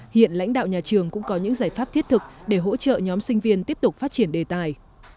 hiện lãnh đạo nhà trường cũng có những giải pháp thiết thực để hỗ trợ nhóm sinh viên tiếp tục phát triển đề tài